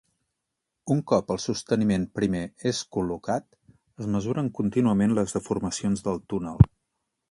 Un cop el sosteniment primer és col·locat, es mesuren contínuament les deformacions del túnel.